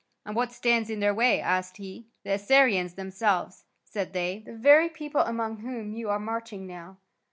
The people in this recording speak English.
"And what stands in their way?" asked he. "The Assyrians themselves," said they, "the very people among whom you are marching now."